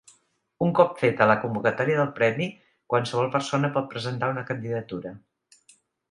Un cop feta la convocatòria del premi qualsevol persona pot presentar una candidatura.